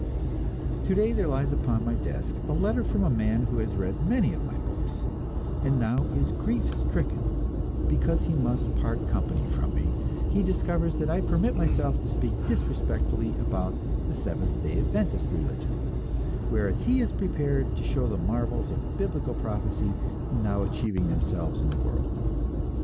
Today there lies upon my desk a letter from a man who has read many of my books, and now is grief stricken because he must part company from me; he discovers that I permit myself to speak disrespectfully about the Seventh Day Adventist religion, whereas he is prepared to show the marvels of biblical prophecy now achieving themselves in the world.